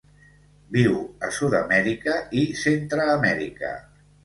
Viu a Sud-amèrica i Centreamèrica.